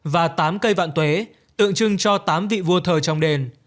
và tám cây vạn tuế tượng trưng cho tám vị vua thờ trong đền